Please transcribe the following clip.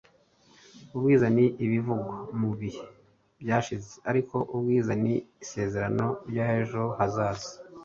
ubwenge ni ibivugwa mu bihe byashize, ariko ubwiza ni isezerano ry'ejo hazaza